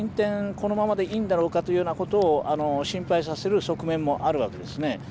このままでいいんだろうかというようなことを心配させる側面もあるわけですね。